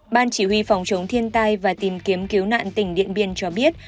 ban chỉ huy phòng chống thiên tai và tìm kiếm cứu nạn tỉnh điện biên cho biết